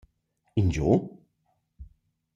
Ingio?»